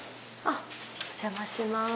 あっお邪魔します。